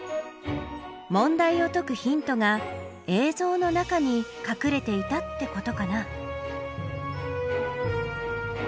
問題を解くヒントが映像の中にかくれていたってことかな？